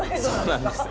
そうなんです。